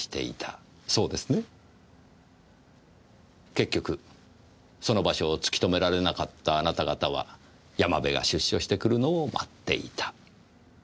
結局その場所を突き止められなかったあなた方は山部が出所してくるのを待っていた。